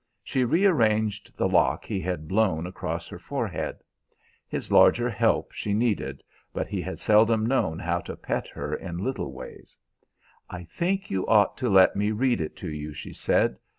She rearranged the lock he had blown across her forehead. His larger help she needed, but he had seldom known how to pet her in little ways. "I think you ought to let me read it to you," she said.